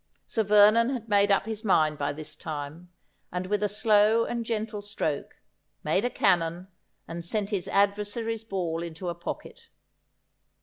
Sir Vernon had made up his mind by this time, and with a slow and gentle stroke, made a cannon and sent his adversary's ball into a pocket.